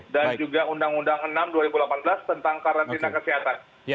dan juga undang undang enam dua ribu delapan belas tentang karantina kesehatan